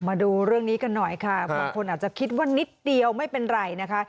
มาดูเรื่องนี้กันหน่อยค่ะบางคนอาจจะคิดว่านิดเดียวไม่เป็นไรนะคะ